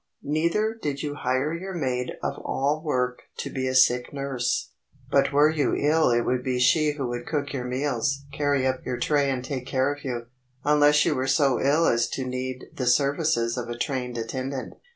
Neither did you hire your maid of all work to be a sick nurse,—but were you ill it would be she who would cook your meals, carry up your tray and take care of you, unless you were so ill as to need the services of a trained attendant.